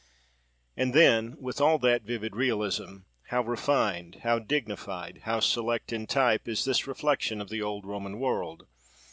And then, with all that vivid realism, how refined, how dignified, how select in type, is this reflection of the old Roman world!